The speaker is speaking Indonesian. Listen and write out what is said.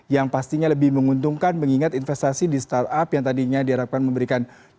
yang pastinya lebih menguntungkan mengingat investasi di startup yang tadinya diharapkan memberikan